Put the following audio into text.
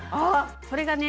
それがね